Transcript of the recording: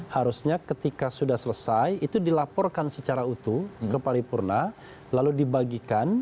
harusnya ketika sudah selesai itu dilaporkan secara utuh ke paripurna lalu dibagikan